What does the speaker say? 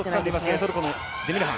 トルコのデミルハン。